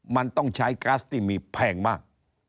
มันต้องใช้ก๊าซที่มีแพงมาก